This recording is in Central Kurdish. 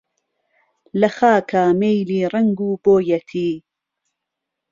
لە خاکا مەیلی ڕەنگ و بۆیەتی